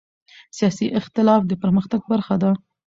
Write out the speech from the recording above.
سیاسي اختلاف د پرمختګ برخه ده